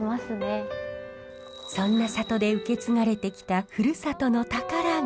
そんな里で受け継がれてきたふるさとの宝が。